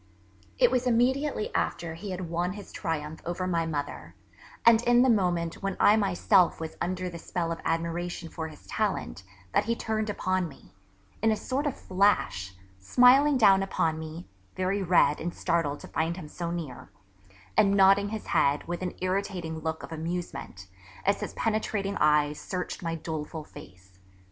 It was immediately after he had won his triumph over my mother, and in the moment when I myself was under the spell of admiration for his talent, that he turned upon me, in a sort of flash, smiling down upon me (very red and startled to find him so near), and nodding his head with an irritating look of amusement as his penetrating eyes searched my doleful face.